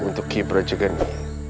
untuk kipra raja gheni